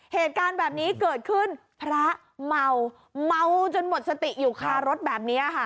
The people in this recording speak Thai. เหตุการณ์แบบนี้เกิดขึ้นพระเมาเมาจนหมดสติอยู่คารถแบบนี้ค่ะ